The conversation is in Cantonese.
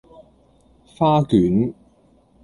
花卷